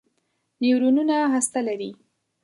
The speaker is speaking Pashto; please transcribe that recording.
نیورونونه هسته لري.